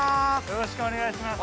よろしくお願いします。